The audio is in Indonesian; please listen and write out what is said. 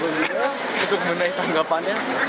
untuk menaik tanggapannya